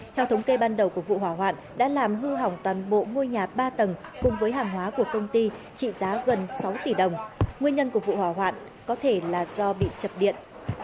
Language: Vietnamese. theo thống kê ban đầu của vụ hỏa hoạn đã làm hư hỏng toàn bộ ngôi nhà ba tầng cùng với hàng hóa của công ty trị giá gần sáu tỷ đồng nguyên nhân của vụ hỏa hoạn có thể là do bị chập điện